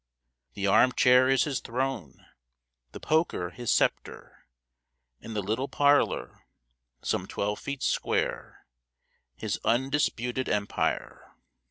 The armchair is his throne, the poker his sceptre, and the little parlor, some twelve feet square, his undisputed empire.